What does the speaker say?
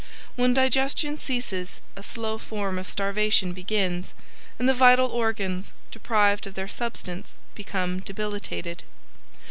When digestion ceases a slow form of starvation begins, and the vital organs, deprived of their substance, become debilitated.